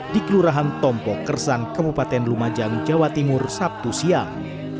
di kelurahan tompo kersan kabupaten lumajang jawa timur sabtu siang